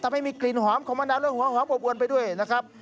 ทำให้มีกลิ่นหอมของมะนาวและหัวหอมอบอวนไปด้วยนะครับ